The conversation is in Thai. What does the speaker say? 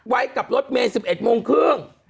ไว้กับรถเมย์๑๑โมงครึ่ง